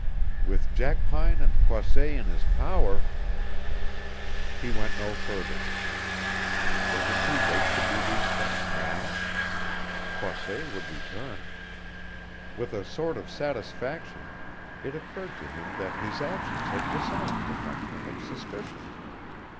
With Jackpine and Croisset in his power He went no further. Was it too late to do these things now? Croisset would return. With a sort of satisfaction it occurred to him that his actions had disarmed the Frenchman of suspicion.